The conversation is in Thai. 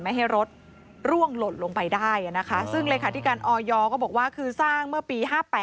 ไม่ให้รถร่วงหล่นลงไปได้นะคะซึ่งเลขาธิการออยก็บอกว่าคือสร้างเมื่อปี๕๘